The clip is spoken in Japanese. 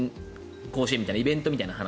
甲子園みたいなイベントみたいな話